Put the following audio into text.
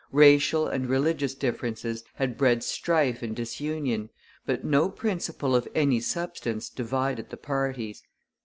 Racial and religious differences had bred strife and disunion, but no principle of any substance divided the parties.